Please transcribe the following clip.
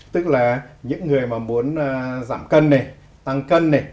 tức là những người mà muốn giảm cân này tăng cân này